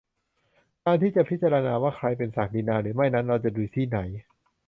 การที่จะพิจารณาว่าใครเป็นศักดินาหรือไม่นั้น เราจะดูที่ไหน ?